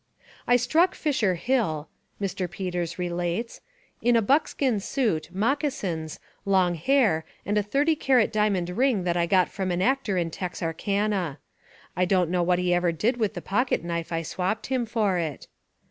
"I struck Fisher Hill," Mr. Peters relates, "in a buckskin suit, moccasins, long hair and a thirty carat diamond ring that I got from an actor in Texarkana. I don't know what he ever did with the pocket knife I swapped him for it.